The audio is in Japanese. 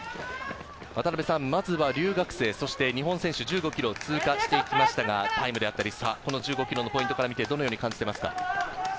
まずは留学生そして日本選手、１５ｋｍ通過していきましたが、タイムであったり差、このポイントをどう感じていますか？